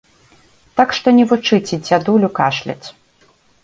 Так што не вучыце дзядулю кашляць!